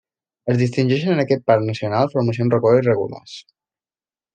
Es distingeixen en aquest parc nacional formacions rocoses irregulars.